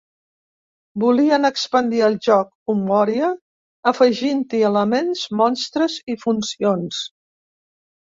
Volien expandir el joc "Umoria" afegint-hi elements, monstres i funcions.